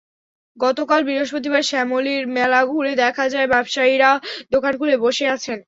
গতকাল বৃহস্পতিবার শ্যামলীর মেলা ঘুরে দেখা যায়, ব্যবসায়ীরা দোকান খুলে বসে আছেন।